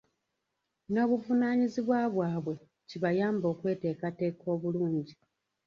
N’obuvunanyizibwa bwabwe kibayambe okweteekateeka obulungi.